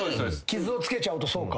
傷をつけちゃうとそうか。